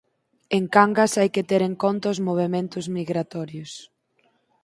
En Cangas hai que ter en conta os movementos migratorios.